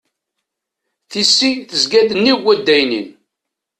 Tisi tezga-d nnig uddaynin.